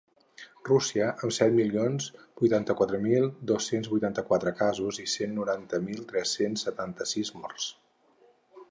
Rússia, amb set milions vuitanta-quatre mil dos-cents vuitanta-quatre casos i cent noranta mil tres-cents setanta-sis morts.